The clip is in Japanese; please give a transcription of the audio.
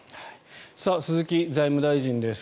鈴木財務大臣です。